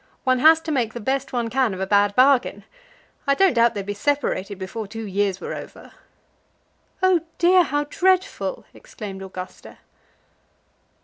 One has to make the best one can of a bad bargain. I don't doubt they'd be separated before two years were over." "Oh, dear, how dreadful!" exclaimed Augusta.